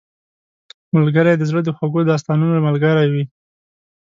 ملګری د زړه د خوږو داستانونو ملګری وي